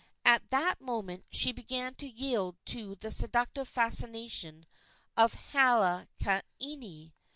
At that moment she began to yield to the seductive fascination of Halaaniani.